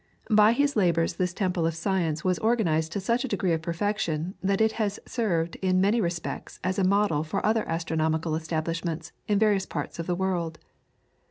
By his labours this temple of science was organised to such a degree of perfection that it has served in many respects as a model for other astronomical establishments in various parts of the world.